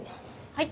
はい。